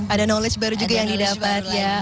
ada knowledge baru juga yang didapat ya